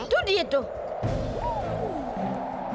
itu dia tuh